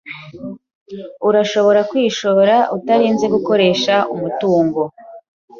Urashobora kwishora utarinze gukoresha umutungo.